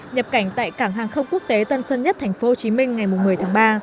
nhập cảnh tại cảng hàng không quốc tế tân sơn nhất thành phố hồ chí minh ngày một mươi tháng ba